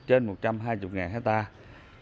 trên một trăm hai mươi hectare